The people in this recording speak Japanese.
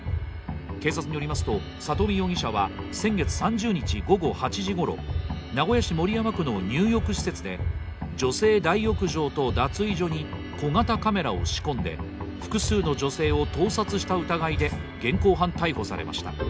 警察によりますと佐登美容疑者は先月３０日午後８時ごろ名古屋市守山区の入浴施設で女性大浴場と脱衣所に小型カメラを仕込んで複数の女性を盗撮した疑いで現行犯逮捕されました。